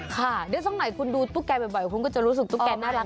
ค่ะเดี๋ยวช่วงไหนคุณดูตุ๊กแกบ่อยคุณก็จะรู้สึกตุ๊กแกน่ารัก